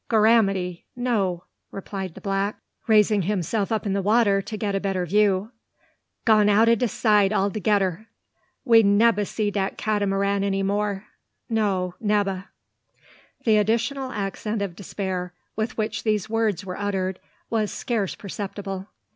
"Gorramity, no!" replied the black, raising himself up in the water to get a better view. "Gone out o' de sight altogedder! We nebba see dat Catamaran any more, no, nebba!" The additional accent of despair with which these words were uttered was scarce perceptible.